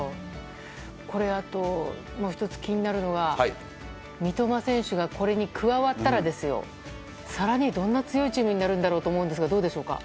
あともう１つ気になるのが三笘選手がこれに加わったら更にどんな強いチームになるんだろうと思うんですがどうでしょうか。